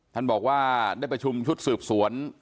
ท่านบอกว่าได้ประชุมชุดสืบสวน